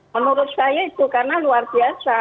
menurut saya itu karena luar biasa